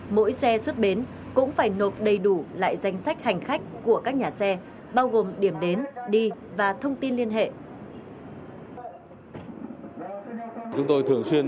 mỗi xe xuất bến cũng phải nộp đầy đủ lại danh sách hành khách của các nhà xe bao gồm điểm đến đi và thông tin liên hệ